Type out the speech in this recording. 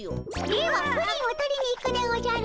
ではプリンを取りに行くでおじゃる。